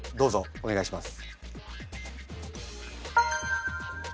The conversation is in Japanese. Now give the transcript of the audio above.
お願いします。